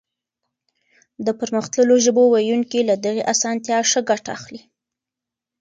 د پرمختللو ژبو ويونکي له دغې اسانتيا ښه ګټه اخلي.